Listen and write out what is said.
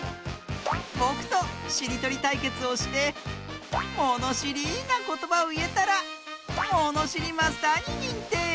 ぼくとしりとりたいけつをしてものしりなことばをいえたらもにしりマスターににんてい！